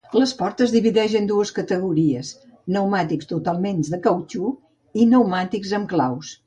L'esport es divideix en dues categories: pneumàtics totalment de cautxú i pneumàtics amb claus.